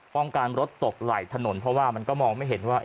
ป้องกันรถตกไหล่ถนนเพราะว่ามันก็มองไม่เห็นว่า